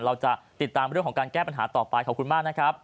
เราจะติดตามเรื่องของการแก้ปัญหาต่อไปขอบคุณมากนะครับ